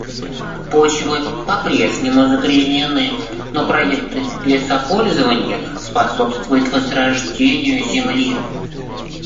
Почвы по-прежнему загрязнены, но проекты лесопользования способствуют возрождению земли.